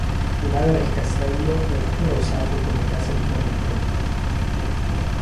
Un’ala del castello è ancora usato come casa di famiglia.